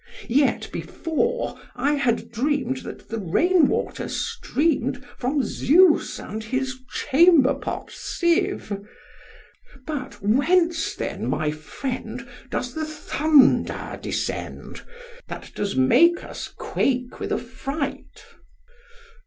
Yet before I had dreamed that the rain water streamed from Zeus and his chamber pot sieve. But whence then, my friend, does the thunder descend? that does make us quake with affright!